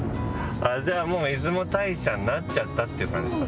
じゃあもう「出雲大社」になっちゃったっていう感じかな。